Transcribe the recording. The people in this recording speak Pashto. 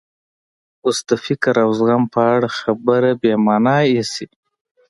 اوس د فکر او زغم په اړه خبره بې مانا ایسي.